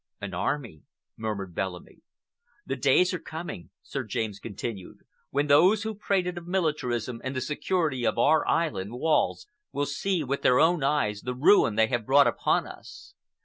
"An army," murmured Bellamy. "The days are coming," Sir James continued, "when those who prated of militarism and the security of our island walls will see with their own eyes the ruin they have brought upon us.